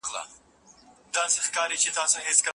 په اوسنۍ نړۍ کي کوم هيوادونه تر ټولو پرمختللې تکنالوژي لري؟